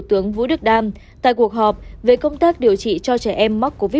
tướng vũ đức đam tại cuộc họp về công tác điều trị cho trẻ em mắc covid một mươi chín